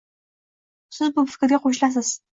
Siz bu fikrga qoʻshilasiz.